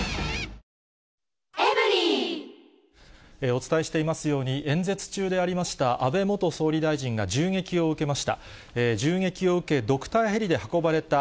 お伝えしていますように、演説中でありました安倍元総理大臣が銃撃を受けました。